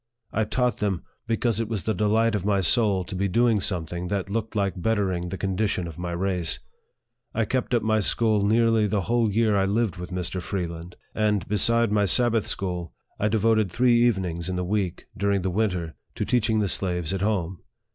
I taught them, because it was the delight of my soul to be doing something that looked like bettering the con dition of my race. I kept up my school nearly the whole year I lived with Mr. Freeland ; and, beside^ my Sabbath school, I devoted three evenings in the week, during the winter, to teaching the slaves at home.